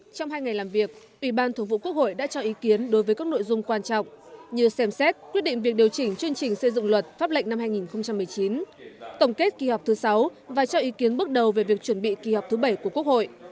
trong hai ngày làm việc ủy ban thường vụ quốc hội đã cho ý kiến đối với các nội dung quan trọng như xem xét quyết định việc điều chỉnh chương trình xây dựng luật pháp lệnh năm hai nghìn một mươi chín tổng kết kỳ họp thứ sáu và cho ý kiến bước đầu về việc chuẩn bị kỳ họp thứ bảy của quốc hội